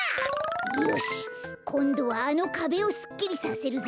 よしこんどはあのかべをすっきりさせるぞ！